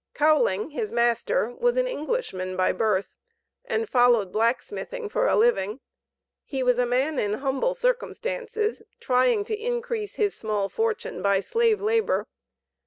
Cowling, his master, was an Englishman by birth, and followed black smithing for a living. He was a man in humble circumstances, trying to increase his small fortune by slave labor.